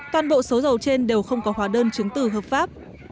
toàn bộ số dầu trên đều không có hóa đơn chứng tử hợp pháp